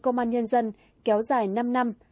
công an nhân dân kéo dài năm năm